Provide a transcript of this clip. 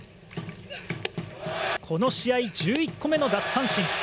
この試合１１個目の奪三振。